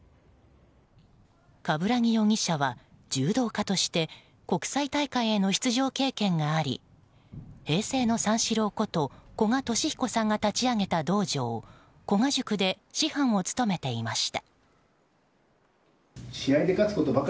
鏑木容疑者は柔道家として国際大会への出場経験があり平成の三四郎こと古賀稔彦さんが立ち上げた道場古賀塾で師範を務めていました。